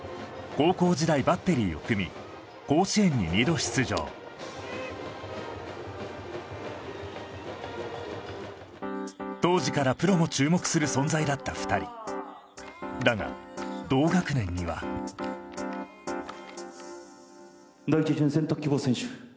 高校時代バッテリーを組み甲子園に２度出場当時からプロも注目する存在だった２人だが同学年には第１巡選択希望選手